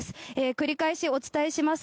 繰り返しお伝えします。